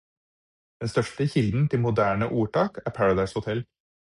Den største kilden til moderne ordtak er Paradise Hotel